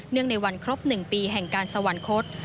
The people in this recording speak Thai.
เนื่องในวันครบ๑ปีแห่งที่การสวรรคต